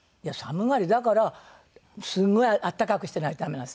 だからすごい暖かくしてないとダメなんです。